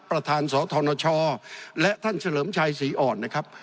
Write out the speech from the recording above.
ประธานสธนชและท่านเฉลิมชัยศรีอ่อนนะครับ